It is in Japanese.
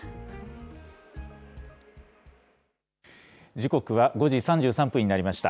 時刻は５時３３分になりました。